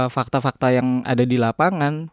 fakta fakta yang ada di lapangan